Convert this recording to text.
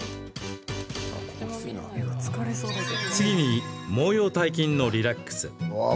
次に、毛様体筋のリラックス。